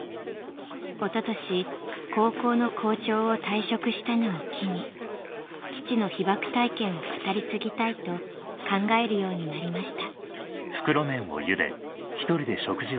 おととし高校の校長を退職したのを機に父の被爆体験を語り継ぎたいと考えるようになりました